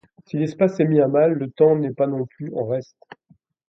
Si l'espace est mis à mal, le temps n'est pas non plus en reste.